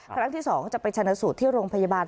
ครั้งที่๒จะไปชนะสูตรที่โรงพยาบาล